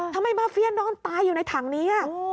ทำไมมาเฟียนอนตายอยู่ในถังนี้